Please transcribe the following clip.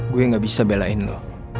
gue gak bisa belain lo